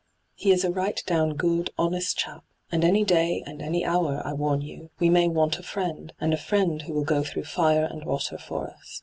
He is a right down good, honest chap, and any day and any hour, I warn you, we may want a friend, and a friend who will go through fire and water for us.